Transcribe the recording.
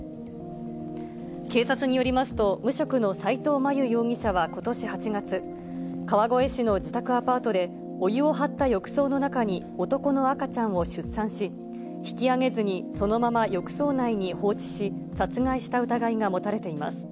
警察によりますと、無職の斎藤真悠容疑者はことし８月、川越市の自宅アパートで、お湯を張った浴槽の中に男の赤ちゃんを出産し、引き上げずに、そのまま浴槽内に放置し、殺害した疑いが持たれています。